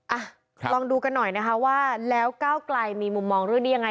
อ่ะลองดูกันหน่อยนะคะว่าแล้วก้าวไกลมีมุมมองเรื่องนี้ยังไง